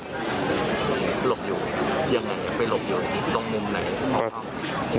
หลบอยู่ยังไงไปหลบอยู่ตรงมุมไหนของเขา